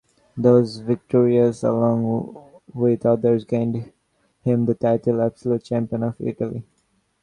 Those victories, along with others, gained him the title "Absolute Champion of Italy".